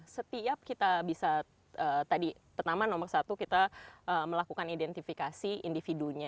setiap kita bisa tadi pertama nomor satu kita melakukan identifikasi individunya